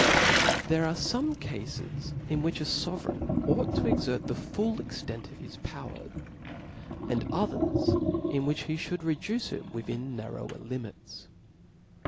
There are fome cafes in which a Sovereign ought to exert the full extent of his power \ and others in which he Ihould rcducte it within narrower limits.